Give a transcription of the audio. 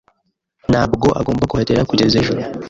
ntabwo agomba kuhagera kugeza ejo.